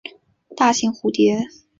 大型蝴蝶。